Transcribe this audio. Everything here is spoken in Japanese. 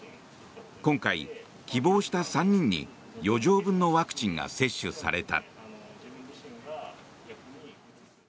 今回、希望した３人に余剰分のワクチンが接種された。